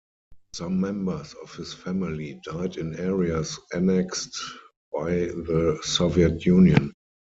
Some members of his family died in areas annexed by the Soviet Union.